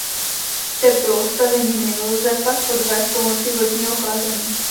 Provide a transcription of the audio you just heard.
Teplo z taveniny lze pak odvést pomocí vodního chlazení.